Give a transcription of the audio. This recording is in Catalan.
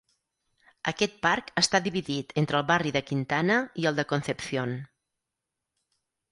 Aquest parc està dividit entre el barri de Quintana i el de Concepción.